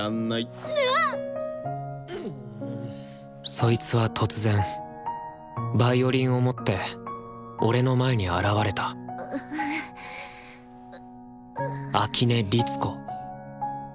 そいつは突然ヴァイオリンを持って俺の前に現れた秋音律子。